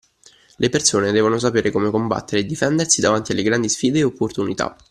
Le persone devono sapere come combattere e difendersi davanti alle grandi sfide e opportunità